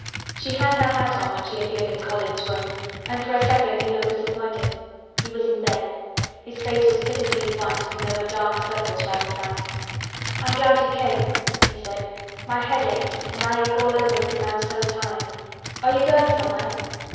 She had her hat on when she appeared in Colin's room and for a second he looked disappointed. He was in bed. His face was pitifully white and there were dark circles round his eyes. "I'm glad you came," he said. "My head aches and I ache all over because I'm so tired. Are you going somewhere?"